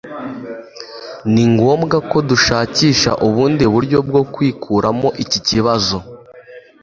Ni ngombwa ko dushakisha ubundi buryo bwo kwikuramo iki kibazo